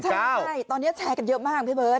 ใช่ตอนนี้แชร์กันเยอะมากพี่เบิร์